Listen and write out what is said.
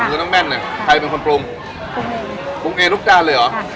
ก็ต้องต้องแม่นหน่อยใครเป็นคนปรุงปรุงเองปรุงเองทุกจานเลยเหรอค่ะ